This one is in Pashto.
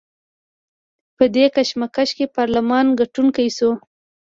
په دې کشمکش کې پارلمان ګټونکی شو.